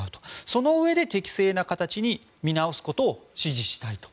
そのうえで、適正な形に見直すことを指示したいと。